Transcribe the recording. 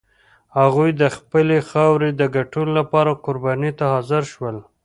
هغوی د خپلې خاورې د ګټلو لپاره قربانۍ ته حاضر شول.